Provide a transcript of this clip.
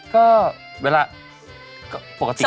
ก็เวลาปกติก็